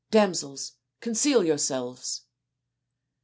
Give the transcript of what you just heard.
Damsels, conceal yourselves."